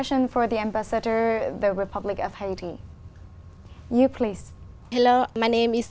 tôi đã đọc trên internet